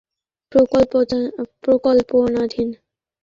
আমাদেরকে ক্ষমা করে দিন।